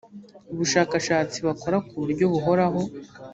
ubushakashatsi bakora ku buryo buhoraho